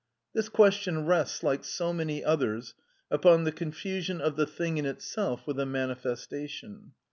This question rests, like so many others, upon the confusion of the thing in itself with the manifestation.